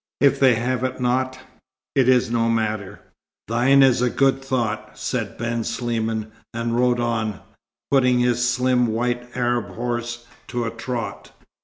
If they have it not, it is no matter." "Thine is a good thought," said Ben Sliman, and rode on, putting his slim white Arab horse to a trot.